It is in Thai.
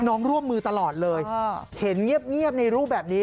ร่วมมือตลอดเลยเห็นเงียบในรูปแบบนี้